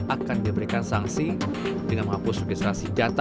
akan diberikan sanksi dengan menghapus registrasi data